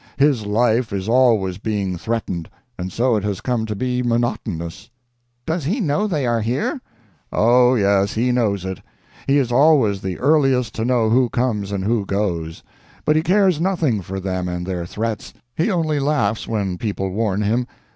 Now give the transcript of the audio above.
His life is always being threatened, and so it has come to be monotonous." "Does he know they are here?" "Oh yes, he knows it. He is always the earliest to know who comes and who goes. But he cares nothing for them and their threats; he only laughs when people warn him.